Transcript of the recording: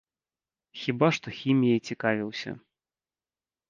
Хіба што хіміяй цікавіўся.